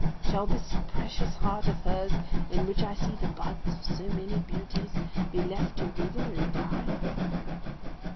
Shall this precious heart of hers, in which I see the buds of so many beauties, be left to wither and die?"